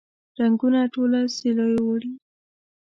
رنګونه ټوله سیلیو وړي